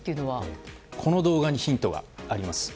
この動画にヒントがあります。